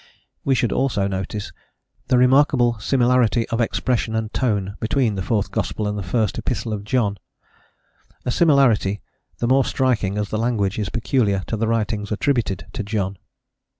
We should also notice the remarkable similarity of expression and tone between the fourth gospel and the first epistle of John, a similarity the more striking as the language is peculiar to the writings attributed to John.